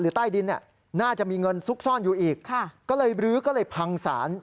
ใต้ดินเนี่ยน่าจะมีเงินซุกซ่อนอยู่อีกก็เลยบรื้อก็เลยพังสาร